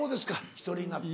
１人になって。